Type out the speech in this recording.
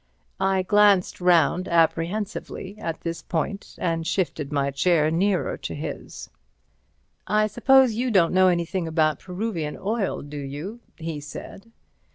I glanced round apprehensively at this point, and shifted my chair nearer to his. "I suppose you don't know anything about Peruvian Oil, do you?" he said.